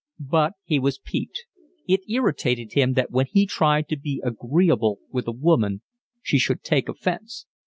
But he was piqued. It irritated him that when he tried to be agreeable with a woman she should take offence.